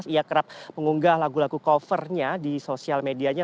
ia kerap mengunggah lagu lagu covernya di sosial medianya